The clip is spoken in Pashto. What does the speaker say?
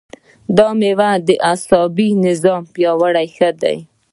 دا میوه د عصبي نظام لپاره ښه ده.